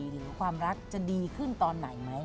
หรือความรักจะดีขึ้นตอนไหนไหม